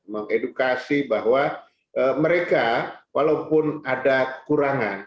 mengedukasi bahwa mereka walaupun ada kurangan